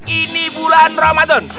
ini bulan ramadan